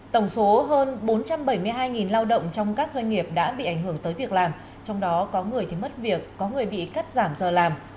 tổng số hơn bốn trăm bảy mươi hai lao động trong các doanh nghiệp đã bị ảnh hưởng tới việc làm trong đó có người thì mất việc có người bị cắt giảm giờ làm